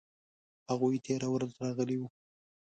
هغوی تیره ورځ راغلي وو